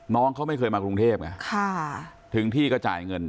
น้องเขาไม่เคยมากรุงเทพไงถึงที่ก็จ่ายเงิน